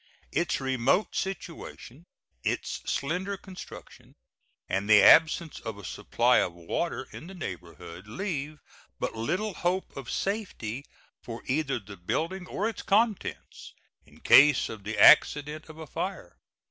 Its remote situation, its slender construction, and the absence of a supply of water in the neighborhood leave but little hope of safety for either the building or its contents in case of the accident of a fire.